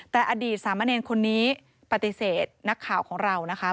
แต่อดีตสามเณรคนนี้ปฏิเสธนักข่าวของเรานะคะ